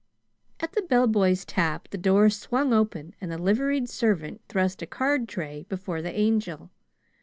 At the bellboy's tap, the door swung open and the liveried servant thrust a cardtray before the Angel.